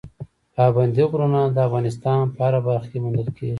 پابندي غرونه د افغانستان په هره برخه کې موندل کېږي.